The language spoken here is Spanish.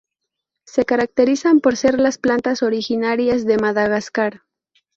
Se caracterizan por ser las plantas originarias de Madagascar.